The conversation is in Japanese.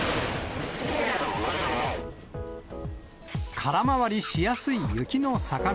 空回りしやすい雪の坂道。